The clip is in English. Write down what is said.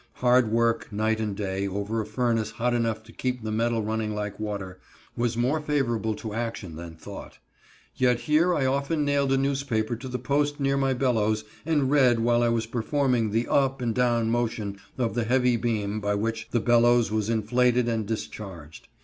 Hard work, night and day, over a furnace hot enough to keep the metal running like water, was more favorable to action than thought; yet here I often nailed a newspaper to the post near my bellows, and read while I was performing the up and down motion of the heavy beam by which the bellows was inflated and discharged.